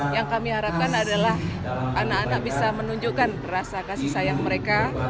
yang kami harapkan adalah anak anak bisa menunjukkan rasa kasih sayang mereka